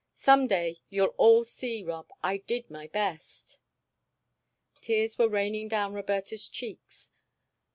Some day you'll all see, Rob, I did my best." Tears were raining down Roberta's cheeks.